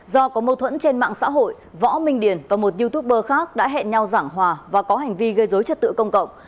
do có mâu thuẫn trên mạng xã hội võ minh điền và một youtuber khác đã hẹn nhau giảng hòa và có hành vi gây dối trật tự công cộng